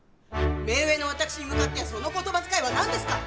目上の私に向かってその言葉遣いは何ですか！